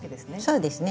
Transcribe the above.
そうですね。